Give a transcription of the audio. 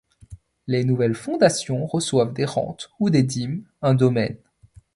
Les nouvelles fondations reçoivent des rentes ou des dîmes, un domaine.